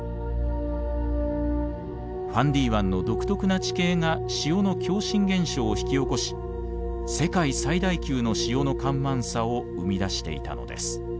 ファンディ湾の独特な地形が潮の共振現象を引き起こし世界最大級の潮の干満差を生み出していたのです。